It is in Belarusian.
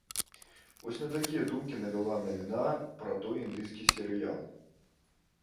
Вось на такія думкі навяла навіна пра той індыйскі серыял.